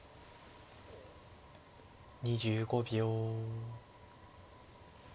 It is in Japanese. ２５秒。